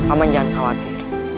amin jangan khawatir